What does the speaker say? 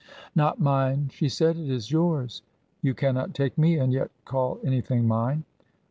"Not mine," she said. "It is yours. You cannot take me and yet call anything mine."